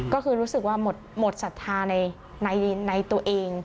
ก็คือรู้สึกว่าหมดศรัทธาในตัวเอง